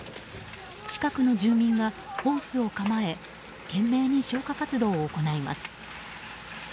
近くの住民がホースを構え懸命に消火活動を行います。